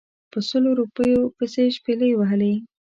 په سلو روپیو پسې شپلۍ وهلې.